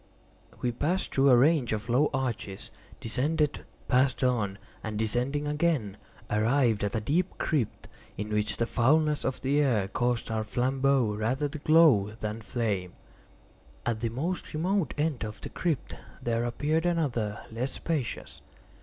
We passed through a range of low arches, descended, passed on, and descending again, arrived at a deep crypt, in which the foulness of the air caused our flambeaux rather to glow than flame. At the most remote end of the crypt there appeared another less spacious.